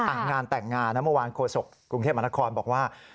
งานแต่งงานนะเมื่อวานโฆษกกรุงเทพมหานครบอกว่า